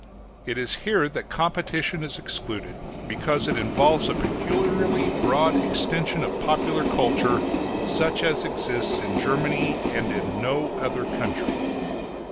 It is here that competition is excluded, because it involves a peculiarly broad extension of popular culture, such as exists in Germany and in no other country....